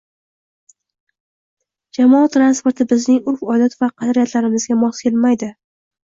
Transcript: Jamoat transporti bizning urf -odat va qadriyatlarimizga mos kelmaydi